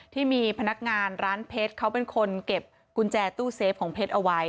ที่มีพนักงานร้านเพชรเขาเป็นคนเก็บกุญแจตู้เซฟของเพชรเอาไว้